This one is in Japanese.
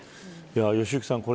良幸さん